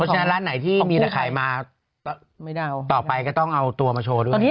ฉะนั้นร้านไหนที่มีแต่ขายมาต่อไปก็ต้องเอาตัวมาโชว์ด้วย